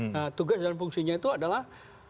nah tugas dan fungsinya itu adalah